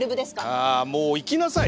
ああもう行きなさい。